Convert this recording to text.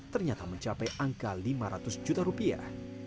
ternyata mencapai angka lima ratus juta rupiah